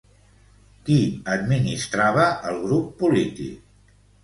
Qui administrava el grup polític?